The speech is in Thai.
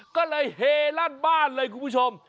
ก็เลยเฮลั่นบ้านเลยคุณผู้ชม